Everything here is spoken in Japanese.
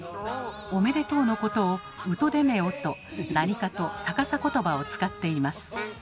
「おめでとう」のことを「うとでめお」と何かと逆さ言葉を使っています。